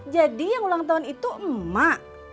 jadi yang ulang tahun itu emak